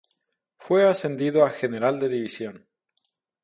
Fue ascendido a General de División.